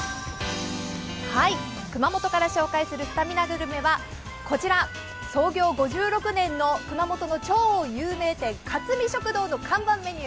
熊本から紹介するスタミナグルメはこちら、創業５６年の熊本の超有名店、かつ美食堂さんです。